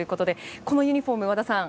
このユニホーム、和田さん